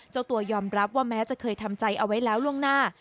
เจ้าตัวยอมรับว่าแม้จะเคยทำใจเอาไว้แล้วล่วงหน้า